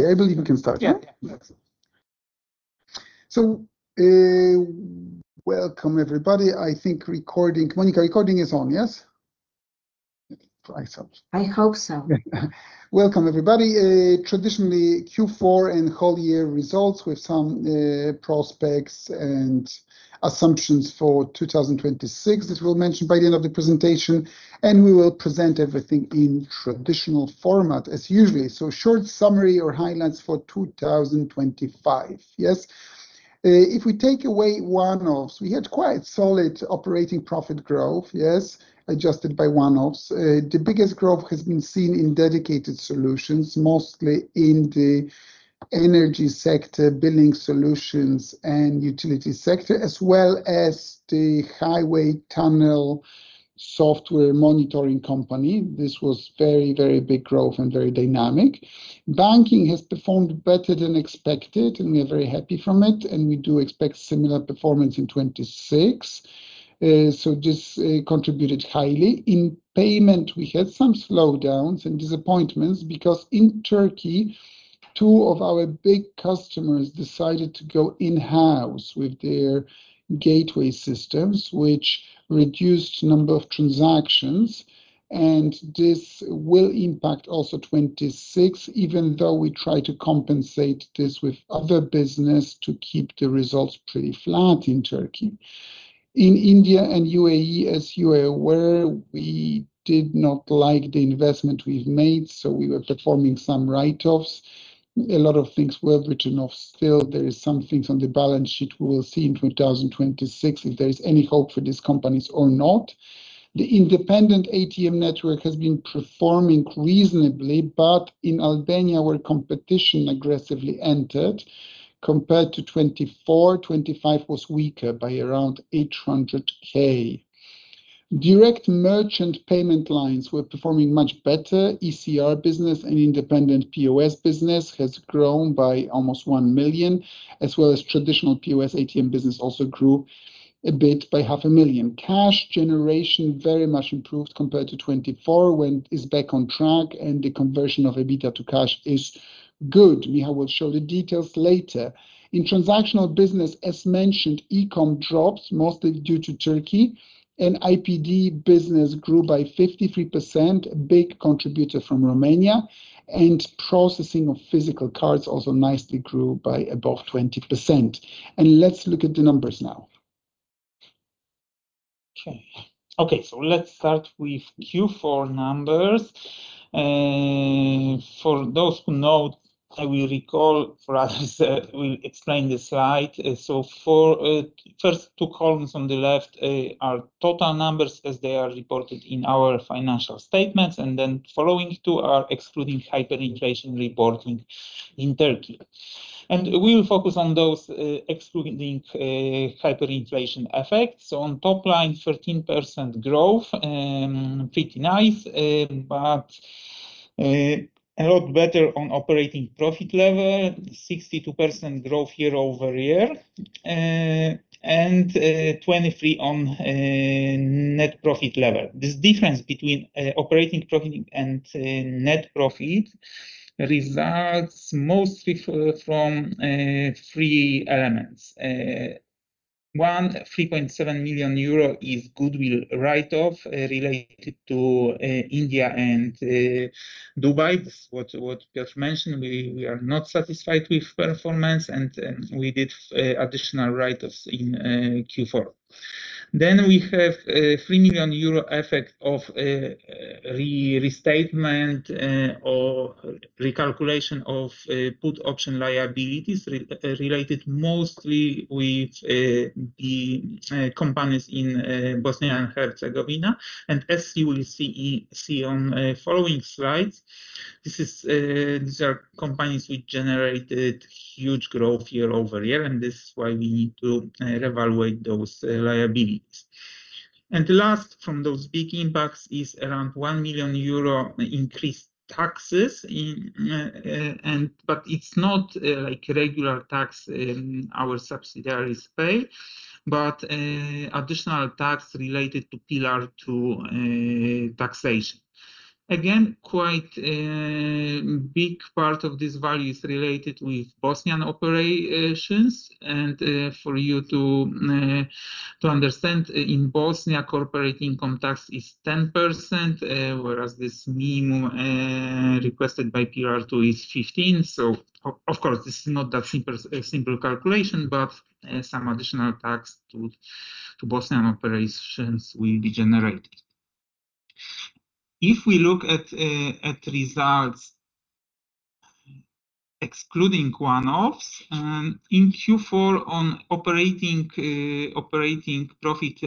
Okay, I believe we can start, right? Yeah. Excellent. Welcome everybody. I think recording, Monica, recording is on, yes. I assume. I hope so. Welcome, everybody. Traditionally, Q4 and whole year results with some prospects and assumptions for 2026, as we'll mention by the end of the presentation, and we will present everything in traditional format as usually. Short summary or highlights for 2025. Yes. If we take away one-offs, we had quite solid operating profit growth, yes, adjusted by one-offs. The biggest growth has been seen in dedicated solutions, mostly in the energy sector, billing solutions, and utility sector, as well as the highway tunnel software monitoring company. This was very, very big growth and very dynamic. Banking has performed better than expected, and we are very happy from it, and we do expect similar performance in 26. This contributed highly. In payment, we had some slowdowns and disappointments because in Turkey, two of our big customers decided to go in-house with their gateway systems, which reduced number of transactions, and this will impact also 26, even though we try to compensate this with other business to keep the results pretty flat in Turkey. In India and UAE, as you are aware, we did not like the investment we've made, so we were performing some write-offs. A lot of things were written off. Still, there is some things on the balance sheet we will see in 2026 if there is any hope for these companies or not. The independent ATM network has been performing reasonably, but in Albania, where competition aggressively entered, compared to 2024, 2025 was weaker by around 800,000. Direct merchant payment lines were performing much better. ECR business and independent POS business has grown by almost 1 million, as well as traditional POS ATM business also grew a bit by 500,000. Cash generation very much improved compared to 2024, and is back on track, and the conversion of EBITDA to cash is good. Michal will show the details later. In transactional business, as mentioned, e-commerce drops, mostly due to Turkey, and IPD business grew by 53%, a big contributor from Romania, and processing of physical cards also nicely grew by above 20%. Let's look at the numbers now. Let's start with Q4 numbers. For those who know, I will recall, for others, we'll explain the slide. For first 2 columns on the left, are total numbers as they are reported in our financial statements, and then following 2 are excluding hyperinflation reporting in Turkey. We will focus on those excluding hyperinflation effects. On top line, 13% growth, pretty nice, but a lot better on operating profit level, 62% growth year-over-year, and 23% on net profit level. This difference between operating profit and net profit results mostly from 3 elements. 1, 3.7 million euro is goodwill write-off, related to India and Dubai. This what Piotr mentioned, we are not satisfied with performance, and we did additional write-offs in Q4. We have 3 million euro effect of restatement or recalculation of put option liabilities related mostly with the companies in Bosnia and Herzegovina. As you will see on following slides, these are companies which generated huge growth year-over-year, and this is why we need to revaluate those liabilities. The last from those big impacts is around 1 million euro increased taxes in... but it's not like regular tax our subsidiaries pay, but additional tax related to Pillar Two taxation. Again, quite a big part of this value is related with Bosnian operations. For you to understand, in Bosnia, corporate income tax is 10%, whereas this minimum requested by Pillar Two is 15. Of course, this is not that simple calculation, some additional tax to Bosnian operations will be generated. If we look at results excluding one-offs in Q4 on operating profit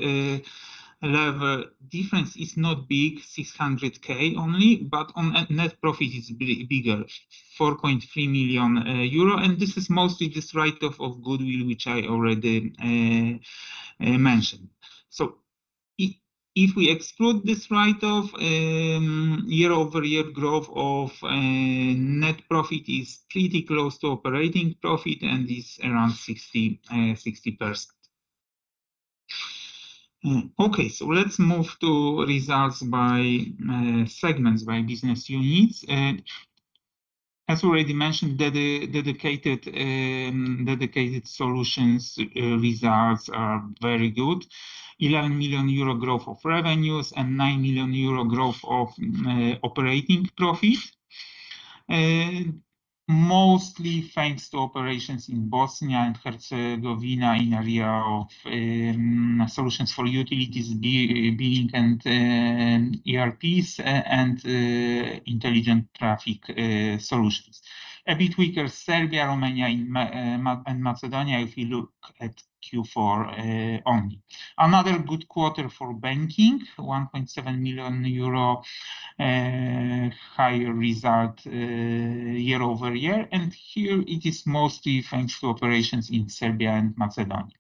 level, difference is not big, 600K only, but on a net profit is bigger, 4.3 million euro, and this is mostly this write-off of goodwill, which I already mentioned. If we exclude this write-off, year-over-year growth of net profit is pretty close to operating profit and is around 60%. Okay, let's move to results by segments, by business units. As already mentioned, dedicated solutions results are very good. 11 million euro growth of revenues and 9 million euro growth of operating profit, mostly thanks to operations in Bosnia and Herzegovina in area of solutions for utilities, billing, and ERPs, and intelligent traffic solutions. A bit weaker, Serbia, Romania, and Macedonia, if you look at Q4 only. Another good quarter for banking, 1.7 million euro higher result year-over-year, and here it is mostly thanks to operations in Serbia and Macedonia.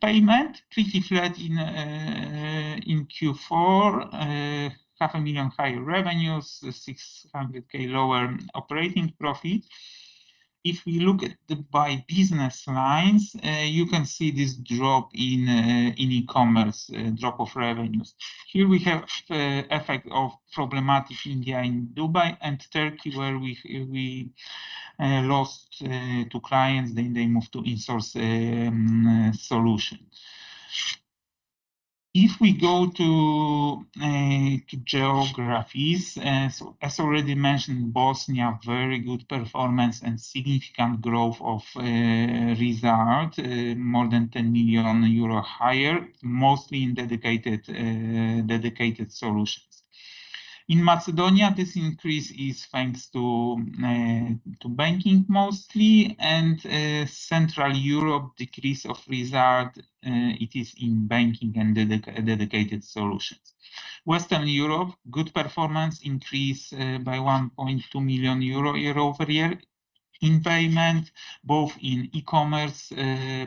Payment, pretty flat in Q4, 500,000 higher revenues, 600,000 lower operating profit. If we look at the by business lines, you can see this drop in eCommerce, drop of revenues. Here we have effect of problematic India and Dubai and Turkey, where we lost two clients, then they moved to in-source solutions. If we go to geographies, as already mentioned, Bosnia, very good performance and significant growth of result, more than 10 million euro higher, mostly in dedicated solutions. In Macedonia, this increase is thanks to banking mostly, and Central Europe, decrease of result, it is in banking and dedicated solutions. Western Europe, good performance increase by 1.2 million euro, year-over-year in payment, both in e-commerce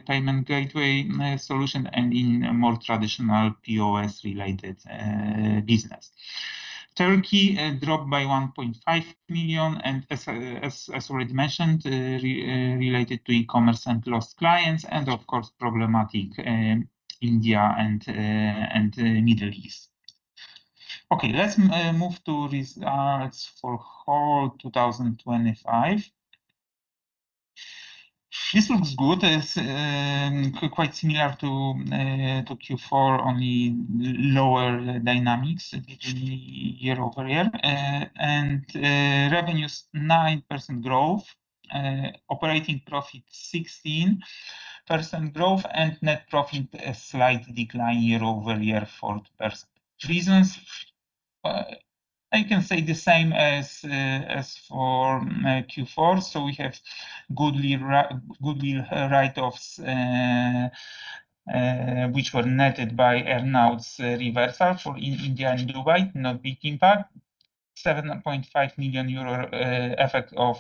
payment gateway solution, and in a more traditional POS-related business. Turkey dropped by 1.5 million, as already mentioned, related to eCommerce and lost clients and of course, problematic India and Middle East. Let's move to results for whole 2025. This looks good. It's quite similar to Q4, only lower dynamics year-over-year. Revenues, 9% growth, operating profit, 16% growth, and net profit, a slight decline year-over-year, 4%. Reasons? I can say the same as for Q4. We have goodwill write-offs, which were netted by earnouts reversal for India and Dubai, not big impact. 7.5 million euro effect of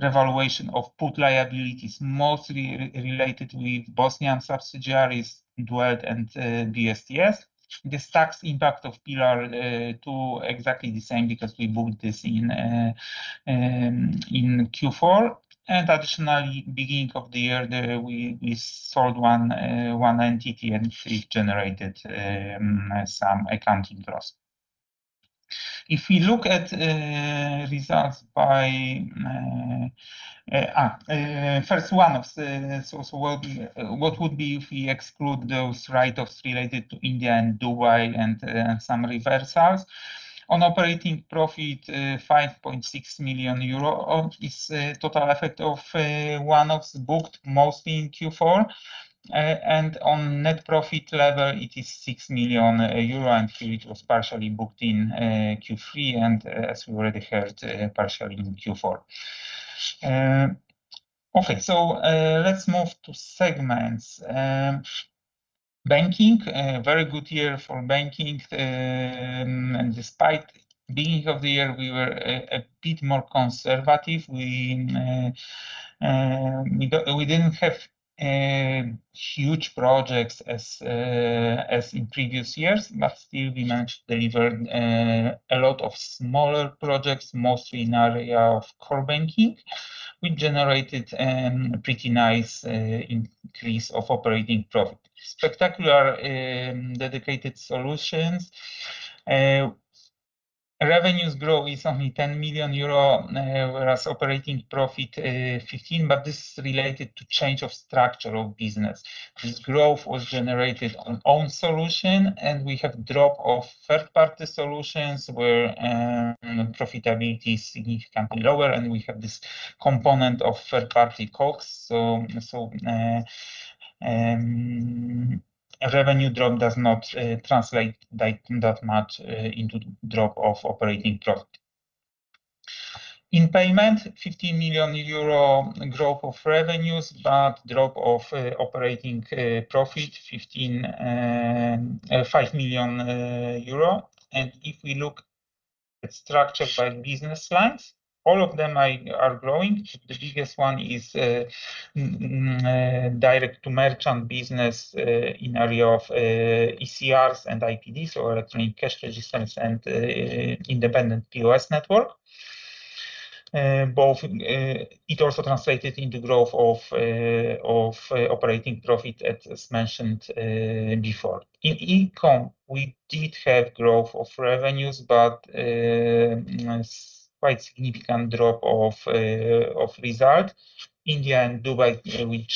revaluation of put liabilities, mostly related with Bosnian subsidiaries, Dwelt and BS Telecom Solutions. The tax impact of Pillar Two, exactly the same, because we booked this in Q4, and additionally, beginning of the year, we sold one entity, and it generated some accounting loss. If we look at results by first one-offs, so what would be if we exclude those write-offs related to India and Dubai and some reversals? On operating profit, 5.6 million euro of is total effect of one-offs booked mostly in Q4. On net profit level, it is 6 million euro, and here it was partially booked in Q3, and as we already heard, partially in Q4. Okay, let's move to segments. Banking, very good year for banking, despite beginning of the year, we were a bit more conservative. We didn't have huge projects as in previous years, but still we managed to deliver a lot of smaller projects, mostly in area of core banking. We generated pretty nice increase of operating profit. Spectacular dedicated solutions. Revenues growth is only 10 million euro, whereas operating profit 15 million, this is related to change of structure of business. This growth was generated on own solution, we have drop of third-party solutions, where profitability is significantly lower, we have this component of third-party costs. Revenue drop does not translate that much into drop of operating profit. In payment, 50 million euro growth of revenues, but drop of operating profit, 15.5 million euro. If we look at structure by business lines, all of them are growing. The biggest one is direct-to-merchant business in area of ECRs and IPDs, or electronic cash registers and independent POS network. Both it also translated into growth of operating profit as mentioned before. In e-com, we did have growth of revenues, but a quite significant drop of result. India and Dubai, which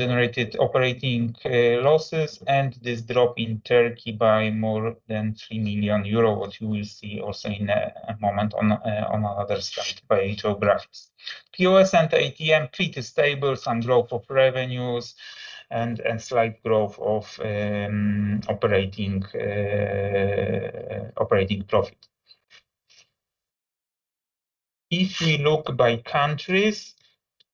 generated operating losses, and this drop in Turkey by more than 3 million euro, what you will see also in a moment on another slide by two graphs. POS and ATM pretty stable and growth of revenues and slight growth of operating profit. If we look by countries,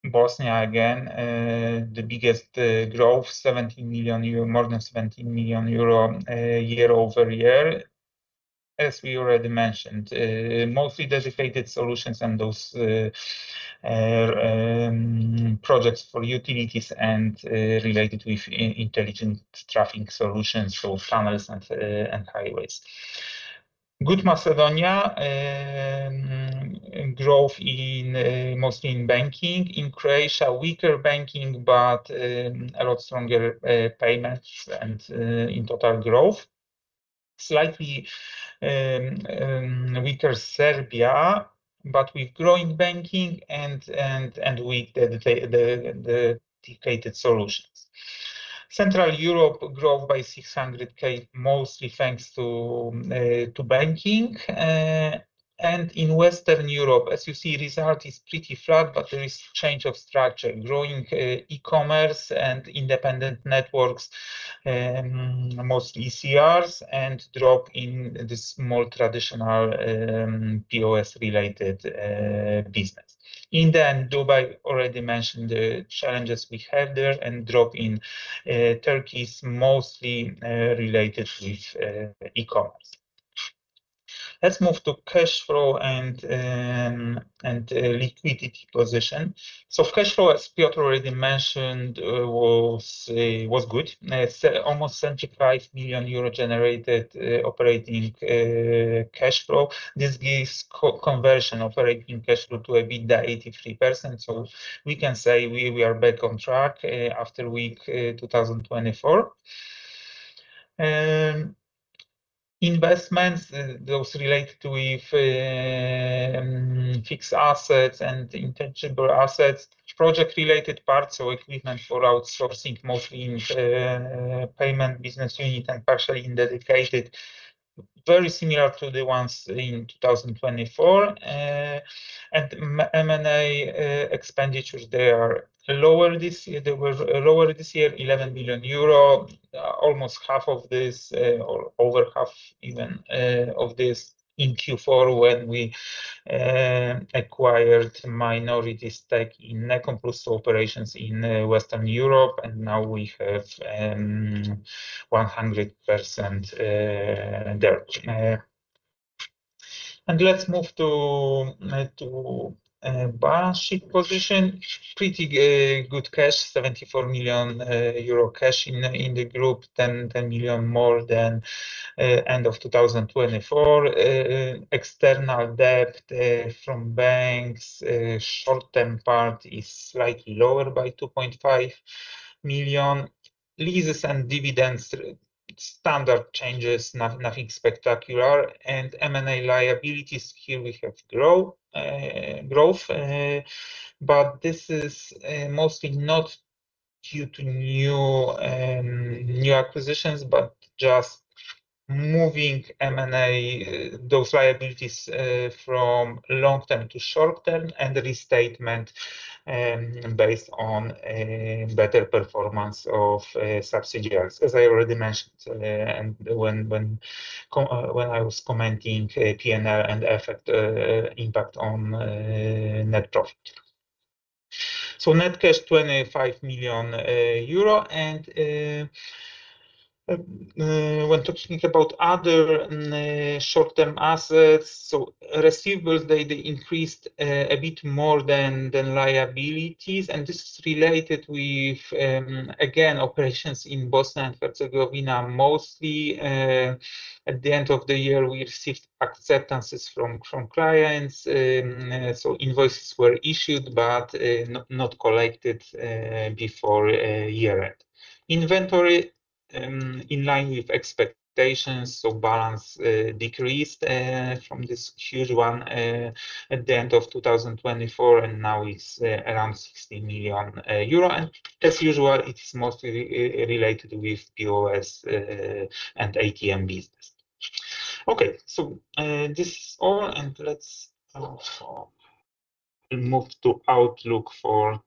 Bosnia, again, the biggest growth, 17 million euro, more than 17 million euro year-over-year. As we already mentioned, mostly dedicated solutions and those projects for utilities and related with intelligent traffic solutions, so tunnels and highways. Good Macedonia, growth in mostly in banking. In Croatia, weaker banking, but a lot stronger payments and in total growth. Slightly weaker Serbia, but with growing banking and dedicated solutions. Central Europe growth by 600,000, mostly thanks to banking. In Western Europe, as you see, result is pretty flat, but there is change of structure, growing eCommerce and independent networks, mostly ECRs, and drop in the small traditional, POS-related business. India and Dubai, already mentioned the challenges we had there, and drop in Turkey is mostly related with eCommerce. Let's move to cash flow and liquidity position. Cash flow, as Piotr already mentioned, was good. Almost 75 million euro generated operating cash flow. This gives co-conversion operating cash flow to EBITDA 83%, we can say we are back on track after weak 2024. Investments, those related with fixed assets and intangible assets, project-related parts or equipment for outsourcing, mostly in payment business unit and partially in dedicated, very similar to the ones in 2024. M&A expenditures, they are lower this year. They were lower this year, 11 billion euro, almost half of this, or over half even, of this in Q4, when we acquired minority stake in Necomplus operations in Western Europe, and now we have 100% there. Let's move to balance sheet position. Pretty good cash, 74 million euro cash in the group, 10 million more than end of 2024. External debt from banks, short-term part is slightly lower by 2.5 million. Leases and dividends, standard changes, nothing spectacular. M&A liabilities, here we have growth, but this is mostly not due to new acquisitions, but just moving M&A those liabilities from long term to short term, and the restatement based on a better performance of subsidiaries, as I already mentioned when I was commenting PNL and effect impact on net profit. Net cash, 25 million euro. When talking about other short-term assets, receivables, they increased a bit more than liabilities, and this is related with again, operations in Bosnia and Herzegovina, mostly. At the end of the year, we received acceptances from clients. Invoices were issued but not collected before year-end. Inventory, in line with expectations, so balance decreased from this huge one at the end of 2024, and now it's around 60 million euro. As usual, it is mostly related with POS and ATM business. Okay, this is all, and let's move to outlook for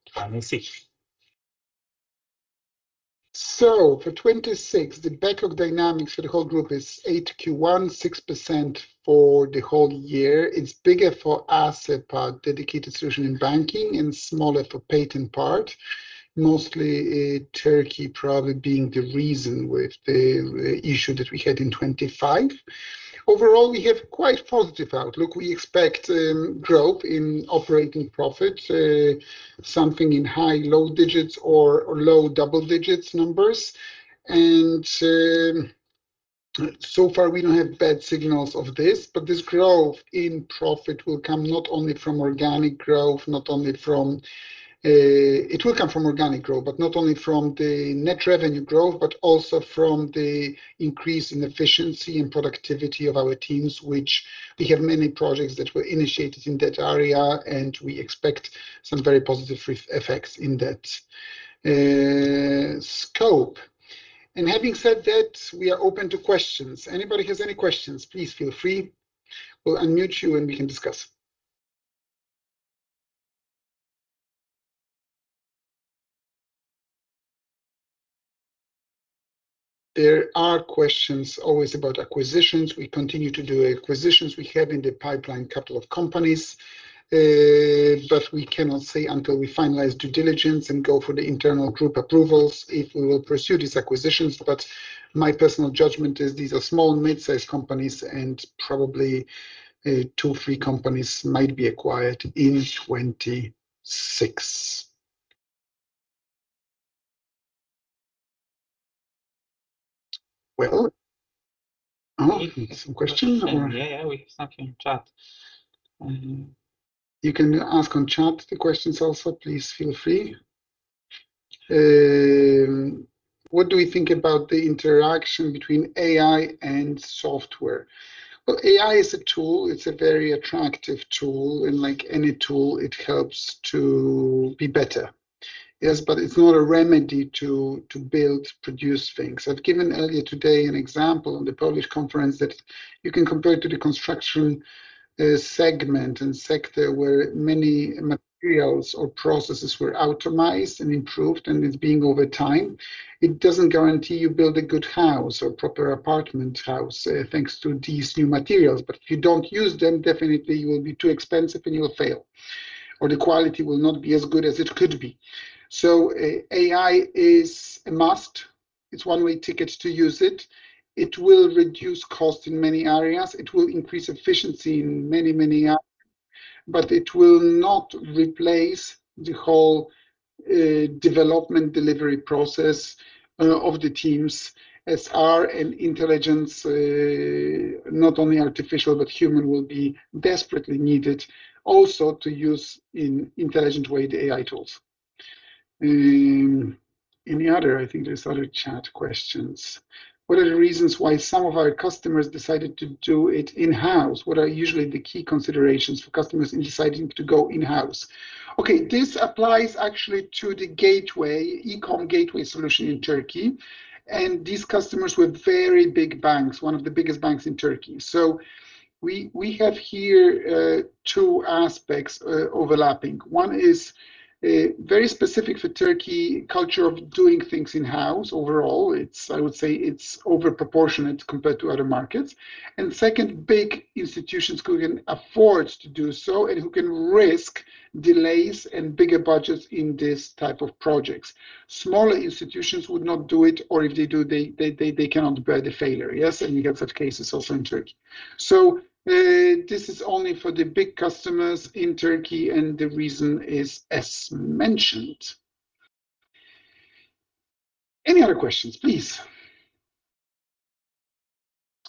2026. For 2026, the backlog dynamics for the whole group is 8 Q1, 6% for the whole year. It's bigger for asset part, dedicated solution in banking, and smaller for pay part, mostly, Turkey probably being the reason with the issue that we had in 2025. Overall, we have quite positive outlook. We expect growth in operating profit, something in high low digits or low double digits. So far, we don't have bad signals of this, but this growth in profit will come not only from organic growth. It will come from organic growth, but not only from the net revenue growth, but also from the increase in efficiency and productivity of our teams, which we have many projects that were initiated in that area, and we expect some very positive re- effects in that scope. Having said that, we are open to questions. Anybody has any questions, please feel free. We'll unmute you, and we can discuss. There are questions always about acquisitions. We continue to do acquisitions. We have in the pipeline a couple of companies, but we cannot say until we finalize due diligence and go for the internal group approvals, if we will pursue these acquisitions. My personal judgment is these are small and mid-sized companies, and probably, two, three companies might be acquired in 2026. Well, some questions? Yeah, yeah, we have something in chat. You can ask on chat the questions also. Please feel free. What do we think about the interaction between AI and software? Well, AI is a tool. It's a very attractive tool, and like any tool, it helps to be better. Yes, but it's not a remedy to build, produce things. I've given earlier today an example on the Polish conference, that you can compare to the construction segment and sector, where many materials or processes were automized and improved, and it's being over time. It doesn't guarantee you build a good house or proper apartment house, thanks to these new materials, but if you don't use them, definitely you will be too expensive, and you will fail, or the quality will not be as good as it could be. AI is a must. It's one-way ticket to use it. It will reduce cost in many areas. It will increase efficiency in many, many areas, it will not replace the whole development, delivery process of the teams, as our intelligence, not only artificial, but human, will be desperately needed also to use in intelligent way, the AI tools. I think there's other chat questions. What are the reasons why some of our customers decided to do it in-house? What are usually the key considerations for customers in deciding to go in-house? Okay, this applies actually to the gateway, eCom gateway solution in Turkey, these customers were very big banks, one of the biggest banks in Turkey. We have here two aspects overlapping. One is very specific for Turkey, culture of doing things in-house. Overall, I would say it's over proportionate compared to other markets. Second, big institutions who can afford to do so and who can risk delays and bigger budgets in this type of projects. Smaller institutions would not do it, or if they do, they cannot bear the failure. Yes, we have such cases also in Turkey. This is only for the big customers in Turkey, and the reason is, as mentioned. Any other questions, please?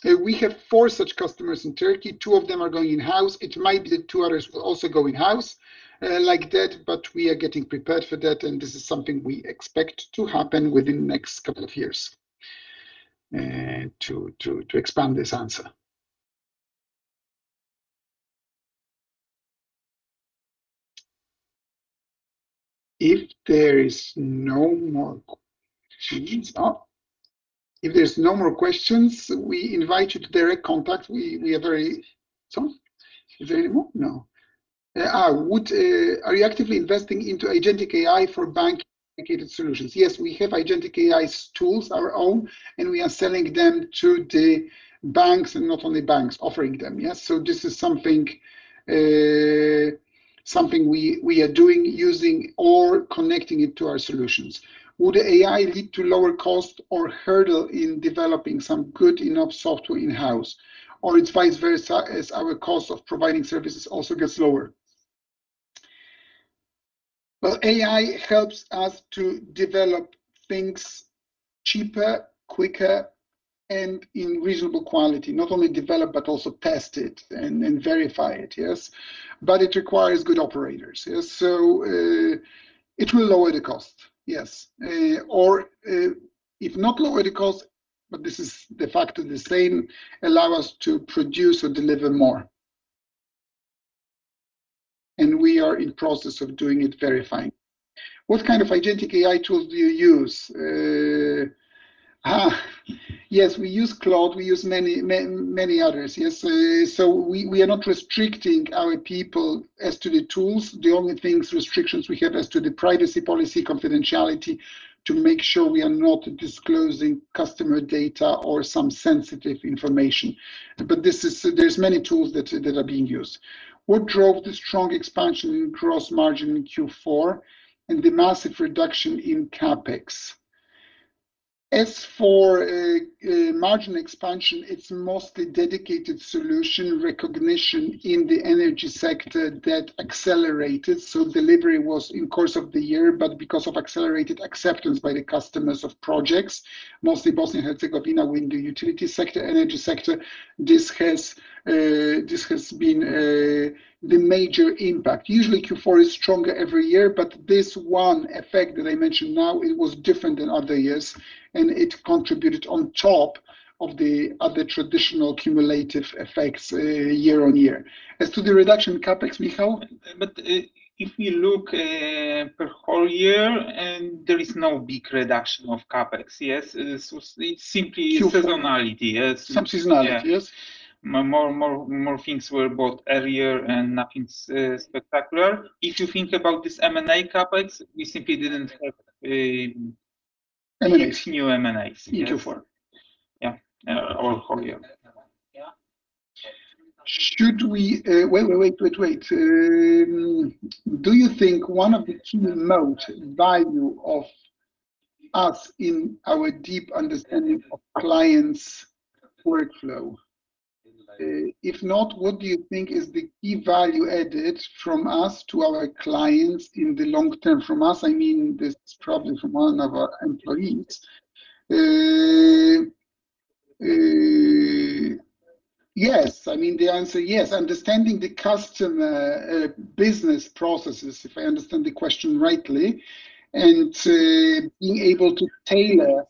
We have four such customers in Turkey. Two of them are going in-house. It might be that 2 others will also go in-house, like that, but we are getting prepared for that, and this is something we expect to happen within the next couple of years to expand this answer. If there's no more questions, we invite you to direct contact. We are very. Is there any more? No. Are you actively investing into agentic AI for bank-indicated solutions? Yes, we have agentic AI tools, our own, and we are selling them to the banks, and not only banks, offering them. This is something we are doing, using, or connecting it to our solutions. Would AI lead to lower cost or hurdle in developing some good enough software in-house, or it's vice versa, as our cost of providing services also gets lower? Well, AI helps us to develop things cheaper, quicker, and in reasonable quality. Not only develop, but also test it and verify it. It requires good operators. It will lower the cost, or if not lower the cost, but this is de facto the same, allow us to produce or deliver more. We are in process of doing it, verifying. What kind of agentic AI tools do you use? Yes, we use Claude, we use many others. Yes, we are not restricting our people as to the tools. The only things, restrictions we have as to the privacy policy, confidentiality, to make sure we are not disclosing customer data or some sensitive information, but there's many tools that are being used. What drove the strong expansion in gross margin in Q4 and the massive reduction in CapEx? Margin expansion, it's mostly dedicated solution recognition in the energy sector that accelerated. Delivery was in course of the year, but because of accelerated acceptance by the customers of projects, mostly Bosnia Herzegovina, wind utility sector, energy sector, this has been the major impact. Usually Q4 is stronger every year, but this one effect that I mentioned now, it was different than other years, and it contributed on top of the other traditional cumulative effects, year on year. As to the reduction in CapEx, Michał? If we look per whole year, and there is no big reduction of CapEx, yes? It's. Q4. seasonality, yes. Some seasonality, yes. Yeah. More things were bought earlier and nothing's spectacular. If you think about this M&A CapEx, we simply didn't have. M&As... next new M&As. In Q4. Yeah, or whole year. Yeah. Should we? Wait. Do you think one of the key moat value of us in our deep understanding of clients' workflow? If not, what do you think is the key value added from us to our clients in the long term? From us, I mean, this is probably from one of our employees. Yes. I mean, the answer, yes. Understanding the customer business processes, if I understand the question rightly, and being able to tailor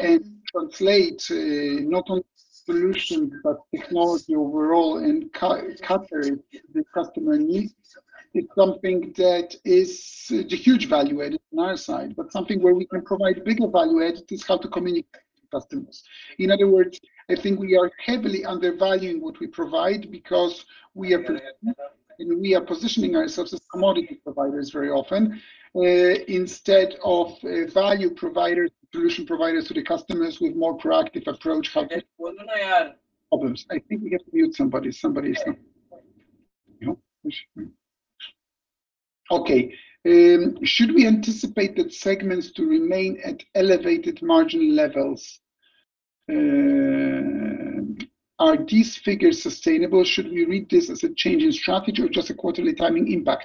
and translate not only solutions, but technology overall, and tailor it the customer needs, is something that is a huge value added on our side, but something where we can provide big value added is how to communicate to customers. In other words, I think we are heavily undervaluing what we provide because we are. Yeah. We are positioning ourselves as commodity providers very often, instead of a value provider, solution providers to the customers with more proactive approach. Well, may I add? I think we have to mute somebody. Somebody is. No. Okay. Should we anticipate that segments to remain at elevated margin levels? Are these figures sustainable? Should we read this as a change in strategy or just a quarterly timing impact?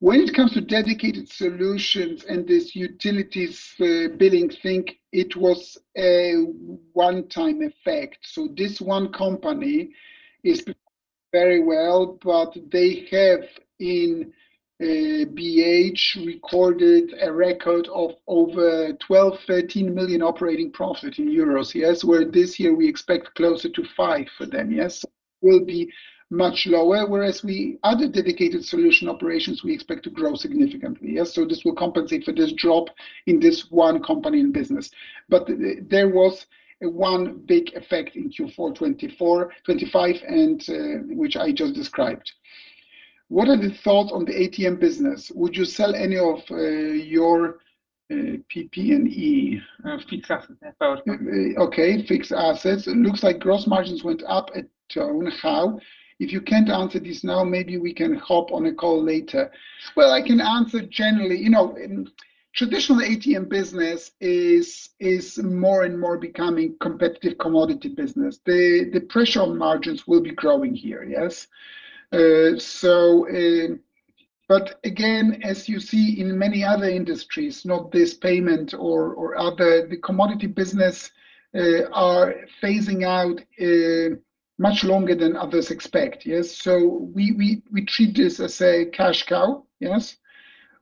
When it comes to dedicated solutions and this utilities billing thing, it was a one-time effect. This one company is very well, but they have in BH recorded a record of over 12 million-13 million operating profit, yes. Where this year we expect closer to 5 million for them, yes? Will be much lower, whereas other dedicated solution operations, we expect to grow significantly, yes. This will compensate for this drop in this one company in business. There was one big effect in Q4 2024-2025, and which I just described. What are the thoughts on the ATM business? Would you sell any of your PP&E? fixed assets. Okay, fixed assets. It looks like gross margins went up at Tonec. How? If you can't answer this now, maybe we can hop on a call later. I can answer generally. You know, in traditional ATM business is more and more becoming competitive commodity business. The pressure on margins will be growing here. Yes? But again, as you see in many other industries, not this payment or other, the commodity business are phasing out much longer than others expect. Yes? We treat this as a cash cow. Yes?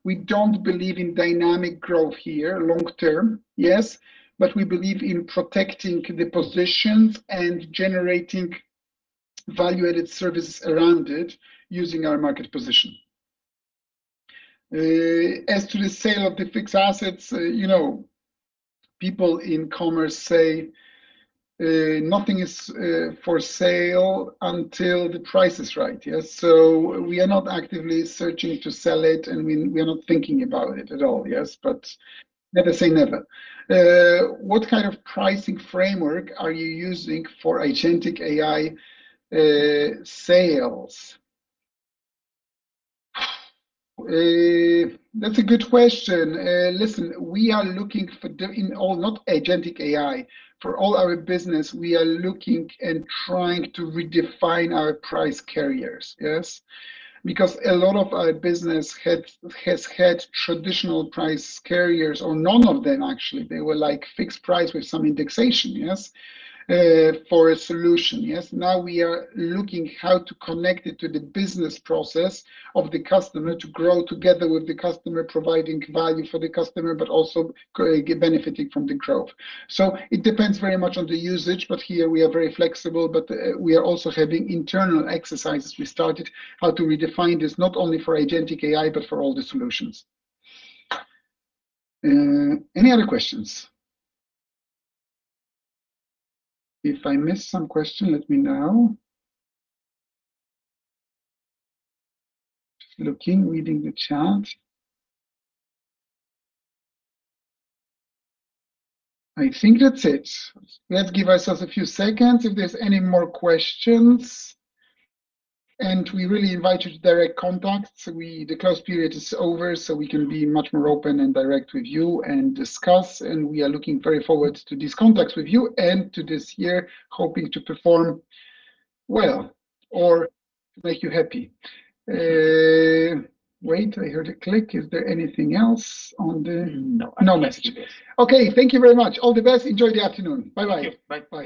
We don't believe in dynamic growth here long term, yes, but we believe in protecting the positions and generating value-added services around it using our market position. As to the sale of the fixed assets, you know, people in commerce say, nothing is for sale until the price is right. Yes? We are not actively searching to sell it, and we are not thinking about it at all. Yes, but never say never. What kind of pricing framework are you using for agentic AI sales? That's a good question. Listen, in all, not agentic AI, for all our business, we are looking and trying to redefine our price carriers. Yes? A lot of our business has had traditional price carriers, or none of them, actually. They were like fixed price with some indexation, yes, for a solution. Yes? Now, we are looking how to connect it to the business process of the customer to grow together with the customer, providing value for the customer, but also benefiting from the growth. It depends very much on the usage, but here we are very flexible, but we are also having internal exercises. We started how to redefine this, not only for agentic AI, but for all the solutions. Any other questions? If I missed some question, let me know. Looking, reading the chat. I think that's it. Let's give ourselves a few seconds if there's any more questions. We really invite you to direct contact. The close period is over, so we can be much more open and direct with you and discuss, and we are looking very forward to this contact with you and to this year, hoping to perform well or make you happy. wait, I heard a click. Is there anything else? No. No message. Yes. Okay, thank you very much. All the best. Enjoy the afternoon. Bye-bye. Thank you. Bye, bye.